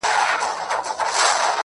لكه د دوو جنـــــــگ.